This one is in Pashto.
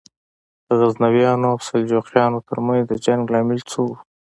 د غزنویانو او سلجوقیانو تر منځ د جنګ لامل څه و؟